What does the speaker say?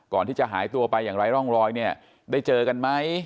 ก่อนที่จะหายตัวไปอย่างไร้ร่องรอยเนี่ยได้เจอกันไหม